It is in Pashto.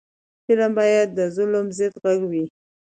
فلم باید د ظلم ضد غږ وي